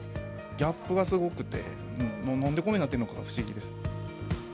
ギャップがすごくて、なんでこんなふうになってるのか不思議ですね。